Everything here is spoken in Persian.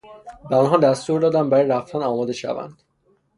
به آنها دستور دادم برای رفتن آماده شوند.